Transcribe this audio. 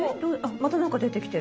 また何か出てきてる。